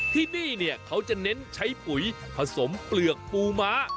ที่นี่เนี่ยเขาจะเน้นใช้ปุ๋ยผสมเปลือกปูม้า